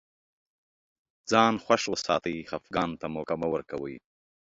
ځان خوښ وساتئ خفګان ته موقع مه ورکوی